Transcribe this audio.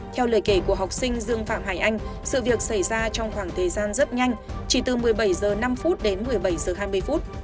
theo lời kể của học sinh dương phạm hải anh sự việc xảy ra trong khoảng thời gian rất nhanh chỉ từ một mươi bảy h năm đến một mươi bảy h hai mươi phút